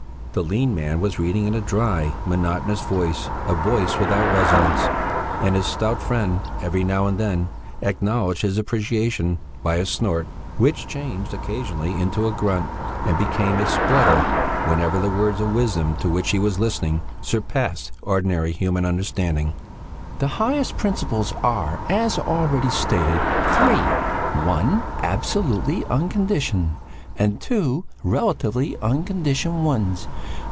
The lean man was reading in a dry, monotonous voice, a voice without resonance, and his stout friend every now and then acknowledged his appreciation by a snort which changed occasionally into a grunt and became a splutter whenever the words of wisdom to which he was listening surpassed ordinary human understanding. "'The highest principles are, as already stated, three; one, absolutely unconditioned, and two, relatively unconditioned ones.